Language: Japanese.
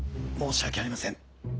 申し訳ありません。